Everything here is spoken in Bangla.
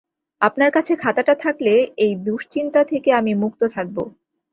আপনার কাছে খাতাটা থাকলে এই দুশ্চিন্তা থেকে আমি মুক্ত থাকব।